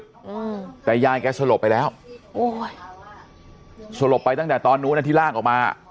อืมแต่ยายแกสลบไปแล้วโอ้ยสลบไปตั้งแต่ตอนนู้นอ่ะที่ลากออกมา